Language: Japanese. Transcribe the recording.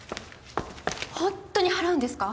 ホントに払うんですか？